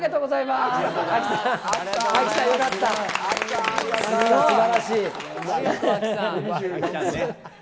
すばらしい。